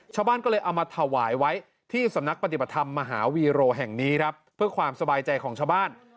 ชาวบ้านก็เลยเอามาถวายไว้ที่สำนักปฏิบัติธรรมมหาวีโรแห่งนี้ครับเพื่อความสบายใจของชาวบ้าน